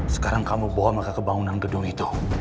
sekarang kamu bawa mereka ke bangunan gedung itu